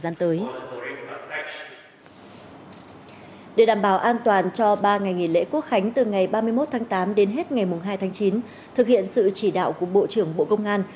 để đảm bảo an toàn cho ba ngày nghỉ lễ quốc khánh từ ngày ba mươi một tháng tám đến hết ngày hai tháng chín thực hiện sự chỉ đạo của bộ trưởng bộ công an